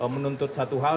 menuntut satu hal